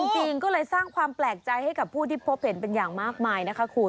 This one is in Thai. จริงก็เลยสร้างความแปลกใจให้กับผู้ที่พบเห็นเป็นอย่างมากมายนะคะคุณ